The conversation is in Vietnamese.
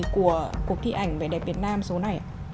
của cuộc thi ảnh về đẹp việt nam số này